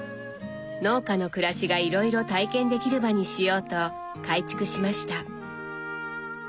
農家の暮らしがいろいろ体験できる場にしようと改築しました。